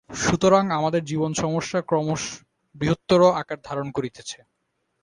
সুতরাং আমাদের জীবনসমস্যা ক্রমশ বৃহত্তর আকার ধারণ করিতেছে।